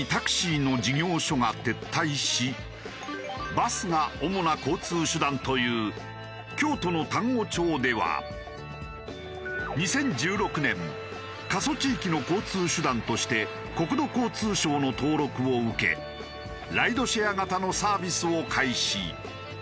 バスが主な交通手段という京都の丹後町では２０１６年過疎地域の交通手段として国土交通省の登録を受けライドシェア型のサービスを開始。